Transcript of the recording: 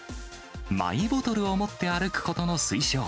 マイボトルを持って歩くことも推奨。